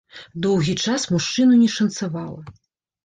Доўгі час мужчыну не шанцавала.